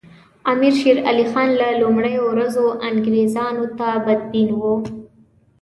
امیر شېر علي خان له لومړیو ورځو انګریزانو ته بدبین وو.